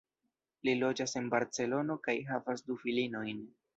Li loĝas en Barcelono kaj havas du filinojn.